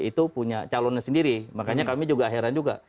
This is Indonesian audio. dan itu punya calonnya sendiri makanya kami juga heran juga